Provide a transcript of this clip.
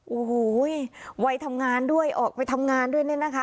โอ้โหวัยทำงานด้วยออกไปทำงานด้วยเนี่ยนะคะ